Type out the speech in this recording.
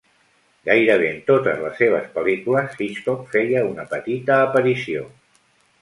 Gairebé en totes les seves pel·lícules, Hitchcock feia una petita aparició.